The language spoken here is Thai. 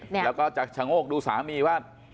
แล้วก็จะชะโงกดูสามีว่า